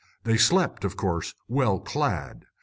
They slept, of course, well clad.